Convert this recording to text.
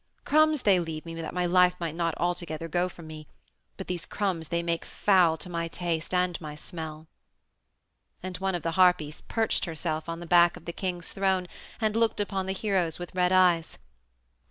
Crumbs they leave me that my life may not altogether go from me, but these crumbs they make foul to my taste and my smell." And one of the Harpies perched herself on the back of the king's throne and looked upon the heroes with red eyes.